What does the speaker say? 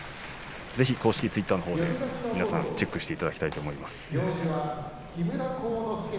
公式ツイッターのほうでチェックしていただきたいと思います。